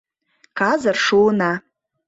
Казыр шуына.